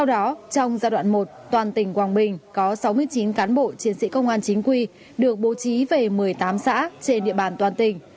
trong đó một toàn tỉnh quảng bình có sáu mươi chín cán bộ chiến sĩ công an chính quy được bố trí về một mươi tám xã trên địa bàn toàn tỉnh